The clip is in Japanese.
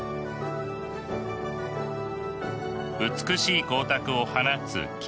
美しい光沢を放つ絹。